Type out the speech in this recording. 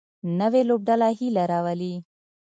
نوې لوبډله هیله راولي